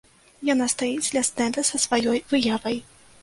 Яна стаіць ля стэнда са сваёй выявай.